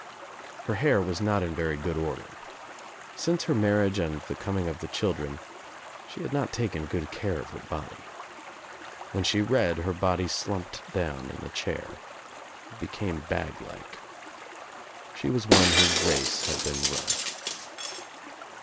Her hair was not in very good order. Since her marriage and the coming of the children she had not taken good care of her body. When she read her body slumped down in the charr. It became bag like. She was one whose race had been run.